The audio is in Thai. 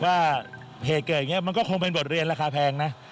ว่าเหตุเกิดอย่างนี้มันก็คงเป็นบทเรียนราคาแพงนะ